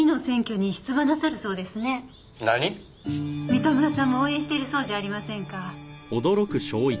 三田村さんも応援しているそうじゃありませんか。